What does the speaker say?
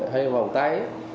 hay vòng tay